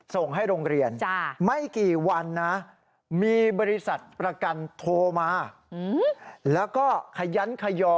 ส่งให้โรงเรียนไม่กี่วันนะมีบริษัทประกันโทรมาแล้วก็ขยันขยอ